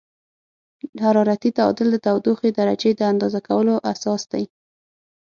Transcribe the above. حرارتي تعادل د تودوخې درجې د اندازه کولو اساس دی.